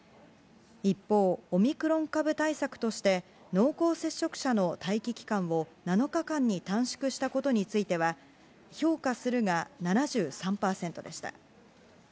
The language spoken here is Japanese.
一方、オミクロン株対策として濃厚接触者の待機期間を７日間に短縮したことについては「評価する」が７３％でした。